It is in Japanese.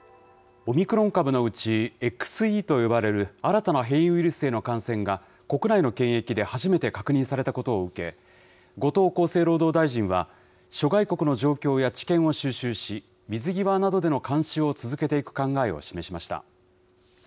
オミクロン株のうち、ＸＥと呼ばれる新たな変異ウイルスへの感染が、国内の検疫で初めて確認されたことを受け、後藤厚生労働大臣は、諸外国の状況や知見を収集し、水際などでの監視を続けていく考えを示しました。